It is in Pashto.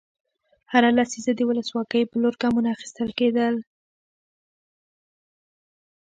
هره لسیزه د ولسواکۍ په لور ګامونه اخیستل کېدل.